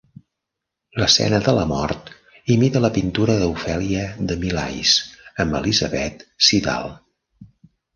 L'escena de la mort imita la pintura d'Ofèlia de Millais amb Elizabeth Siddal.